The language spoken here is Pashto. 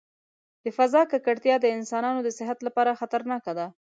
د فضا ککړتیا د انسانانو د صحت لپاره خطرناک دی.